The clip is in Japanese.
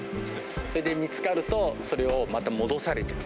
それで見つかると、それをまた戻されちゃう。